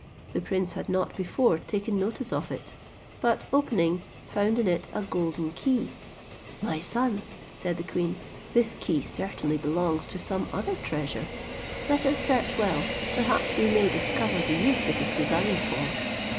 The prince had not before taken notice of it, but opening, found in it a golden key. "My son," said the queen, "this key certainly belongs to some other treasure; let us search well, perhaps we may discover the use it is designed for."